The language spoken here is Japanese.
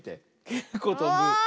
けっこうとぶよ。